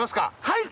はい！